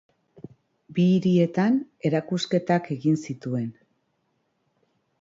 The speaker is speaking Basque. Bi hirietan erakusketak egin zituen.